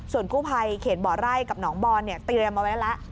ส่วนกู้ภัยเขตบ่อไร่กับหนองบอลเนี่ยเตรียมเอาไว้แล้ว